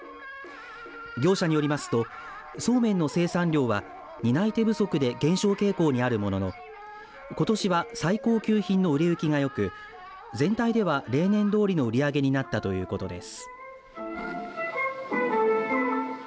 業者によりますとそうめんの生産量は担い手不足で減少傾向にあるもののことしは最高級品の売れ行きがよく全体では例年どおりの売り上げになったということです。